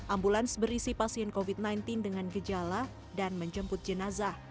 ambulans berisi pasien covid sembilan belas dengan gejala dan menjemput jenazah